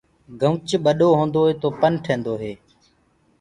گنوُچ ٻڏو هوندو هي تو پن ٺيندو هي۔